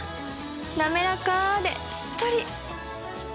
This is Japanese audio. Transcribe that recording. なめらかでしっとり！